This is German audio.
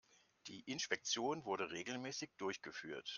Die Inspektion wurde regelmäßig durchgeführt.